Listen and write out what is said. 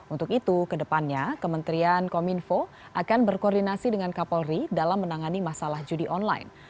untuk itu kedepannya kementerian kominfo akan berkoordinasi dengan kapolri dalam menangani masalah judi online